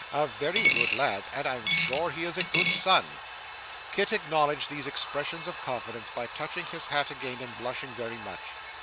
'A very good lad, and I am sure he is a good son.' Kit acknowledged these expressions of confidence by touching his hat again and blushing very much.